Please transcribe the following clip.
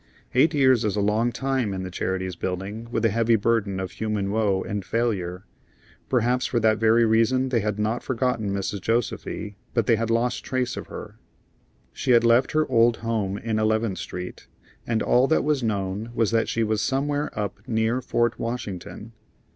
Eight years is a long time in the Charities Buildings with a heavy burden of human woe and failure. Perhaps for that very reason they had not forgotten Mrs. Josefy, but they had lost trace of her. She had left her old home in Eleventh Street, and all that was known was that she was somewhere up near Fort Washington.